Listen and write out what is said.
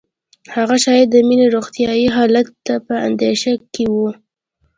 هغه شاید د مينې روغتیايي حالت ته په اندېښنه کې وه